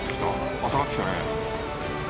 あっ下がってきたね。